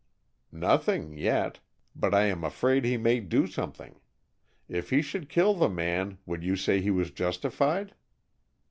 "Nothing, yet. But I am afraid he may do something. If he should kill the man, would you say he was justified?"